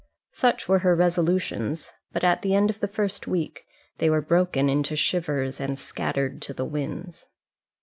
Such were her resolutions; but at the end of the first week they were broken into shivers and scattered to the winds.